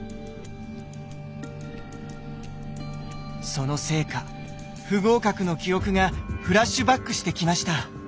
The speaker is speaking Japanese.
そのせいか不合格の記憶がフラッシュバックしてきました。